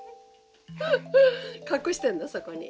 隠してるんだそこに。